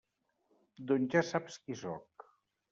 Doncs ja saps qui sóc.